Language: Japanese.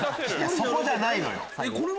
そこじゃないのよ。